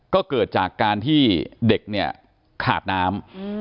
ก็เกิดจากการที่เด็กเนี่ยขาดน้ำ